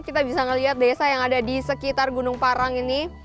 kita bisa melihat desa yang ada di sekitar gunung parang ini